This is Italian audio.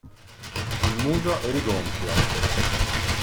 Il muso è rigonfio.